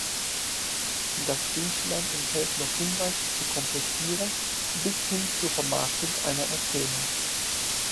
Das Büchlein enthält noch Hinweise zur Komplettierung bis hin zur Vermarktung einer Erzählung.